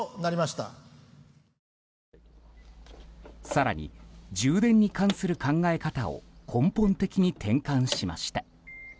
更に充電に関する考え方を根本的に転換しました。